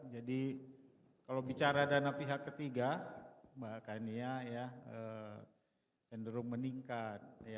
jadi kalau bicara dana pihak ketiga bahkan ya ya cenderung meningkat